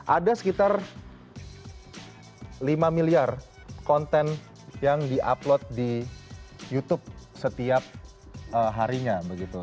ada sekitar lima miliar konten yang di upload di youtube setiap harinya begitu